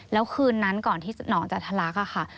แล้วคืนนั้นก่อนหนองจับถลักค่ะ